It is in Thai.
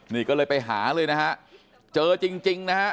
นี่ก็เลยไปหาเลยนะฮะเจอจริงนะฮะ